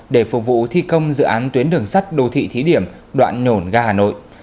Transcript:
để phục vụ thi công dự án tuyến đường sắt đô thị thí điểm đoạn nhổn ga hà nội